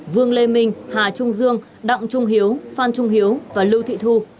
vương lê minh hà trung dương đặng trung hiếu phan trung hiếu và lưu thị thu